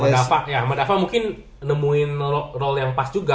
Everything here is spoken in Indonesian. hama daffa mungkin nemuin role yang pas juga